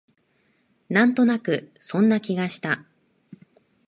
なんとなくそんな気がした